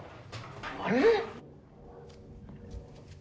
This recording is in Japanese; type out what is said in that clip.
・あれ？